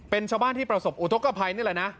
เป็นชาวบ้านที่ประสบอุทธกภัยนี่แหละนะ